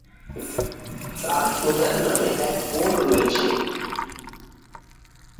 তার সুজান নামে এক বোন রয়েছে।